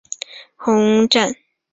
红磡站。